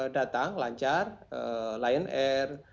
datang lancar lion air